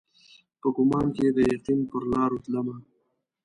په ګمان کښي د یقین پرلارو تلمه